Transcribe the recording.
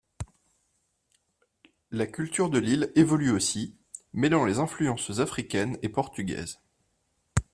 La culture de l'île évolue aussi, mêlant les influences africaines et portugaises.